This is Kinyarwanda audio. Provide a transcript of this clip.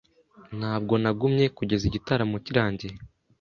Ntabwo nagumye kugeza igitaramo kirangiye.